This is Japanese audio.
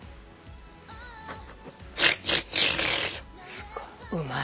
すごい。